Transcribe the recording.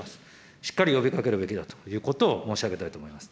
しっかり呼びかけるべきだということを申し上げたいと思います。